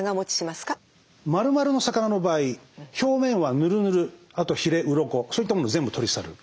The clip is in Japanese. まるまるの魚の場合表面はヌルヌルあとヒレウロコそういったものを全部取り去る。